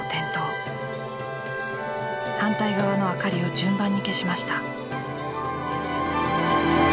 反対側の明かりを順番に消しました。